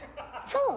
そう？